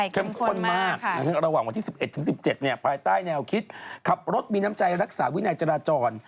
ข้นมากระหว่างวันที่๑๑๑๗ภายใต้แนวคิดขับรถมีน้ำใจรักษาวินัยจราจร